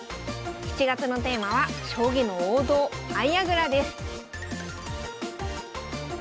７月のテーマは将棋の王道相矢倉です